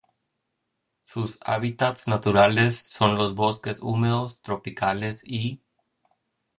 Sus hábitats naturales son los bosques húmedos tropicales y.